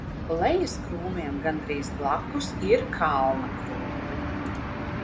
Lejas Krūmiem gandrīz blakus ir Kalna Krūmi.